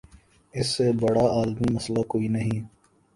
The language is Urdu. اس سے بڑا عالمی مسئلہ کوئی نہیں۔